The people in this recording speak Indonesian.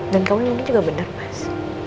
dan kamu ini juga bener mas